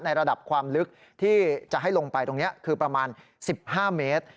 ระดับความลึกที่จะให้ลงไปตรงนี้คือประมาณ๑๕เมตร